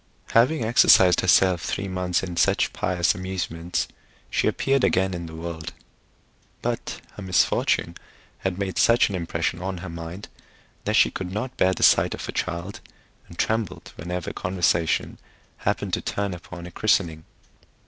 Having exercised herself three months in such pious amusements, she appeared again in the world; but her misfortune had made such an impression on her mind, that she could not bear the sight of a child, and trembled whenever conversation happened to turn upon a christening.